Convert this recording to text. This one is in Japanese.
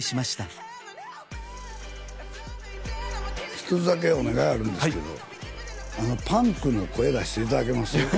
一つだけお願いあるんですけどパンクの声出していただけます？